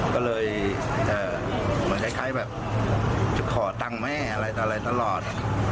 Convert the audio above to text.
ก็เลยจะเหมือนแล้วคัยแบบขอดังแม่อะไรตลอด